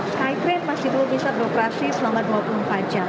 skytrain masih dulu bisa beroperasi selama dua puluh empat jam